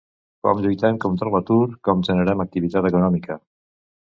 Com lluitem contra l’atur, com generem activitat econòmica.